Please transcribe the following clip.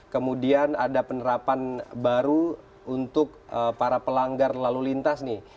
kemudian ada penerapan baru untuk para pelanggar lalu lintas nih